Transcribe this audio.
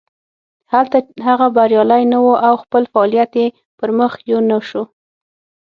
هلته هغه بریالی نه و او خپل فعالیت یې پرمخ یو نه شو.